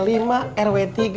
sumpah aja sih